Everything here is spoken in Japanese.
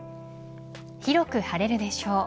広く晴れるでしょう。